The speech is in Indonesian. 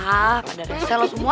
ah pada resell semua